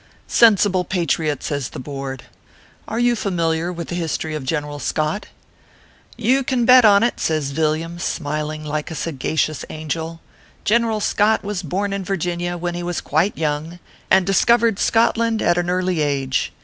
"Sensible patriot," says the Board. "Are you familiar with the history of General Scott ?"" You can bet on it," says Villiam, smiling like a sagacious angel ;" General Scott was born in Vir ginia when he was quite young, and discovered Scot land at an early age.